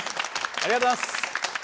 ありがとうございます。